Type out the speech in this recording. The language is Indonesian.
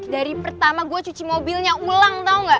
dari pertama gue cuci mobilnya ulang tau gak